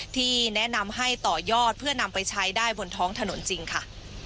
ที่แนะนำให้ต่อยอดเพื่อนำไปใช้ได้บนท้องถนนจริงค่ะ